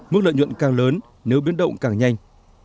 mức lợi nhuận càng lớn nếu biến động càng nhanh